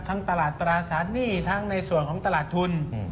ทั้งตลาดตราศาสตร์นี่ทั้งในส่วนของตลาดทุน